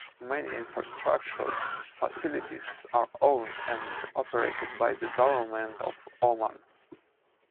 Many infrastructural facilities are owned and operated by the government of Oman.